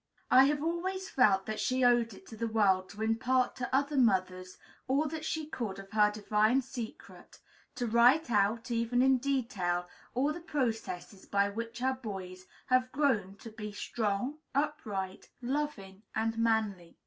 I have always felt that she owed it to the world to impart to other mothers all that she could of her divine secret; to write out, even in detail, all the processes by which her boys have grown to be so strong, upright, loving, and manly.